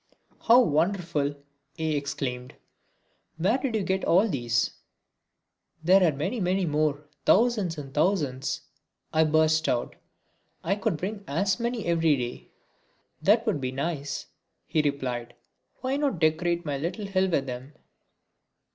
"How wonderful!" he exclaimed. "Wherever did you get all these?" "There are many many more, thousands and thousands!" I burst out. "I could bring as many every day." "That would be nice!" he replied. "Why not decorate my little hill with them?"